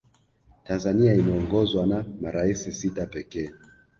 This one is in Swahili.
tanzania imeongozwa na maraisi sita pekee